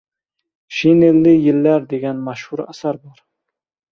“Shinelli yillar” degan mashhur asar bor.